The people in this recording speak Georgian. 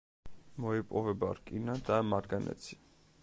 მოიპოვება რკინა და მარგანეცი.